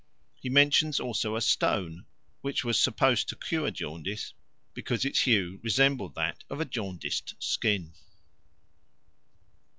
He mentions also a stone which was supposed to cure jaundice because its hue resembled that of a jaundiced skin.